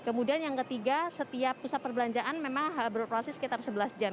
kemudian yang ketiga setiap pusat perbelanjaan memang beroperasi sekitar sebelas jam